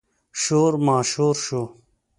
شور ماشور شو.